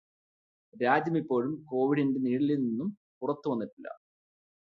രാജ്യം ഇപ്പോഴും കോവിഡിന്റെ നിഴലിൽ നിന്നും പുറത്തുവന്നിട്ടില്ല.